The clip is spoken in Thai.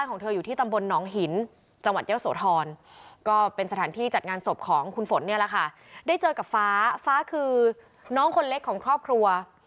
ก็เป็นสถานที่จัดงานศพของคุณฝนเนี่ยแหละค่ะได้เจอกับฟ้าฟ้าคือน้องคนเล็กของครอบครัว